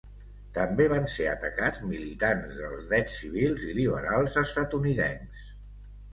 També van ser atacats militants dels drets civils i liberals estatunidencs.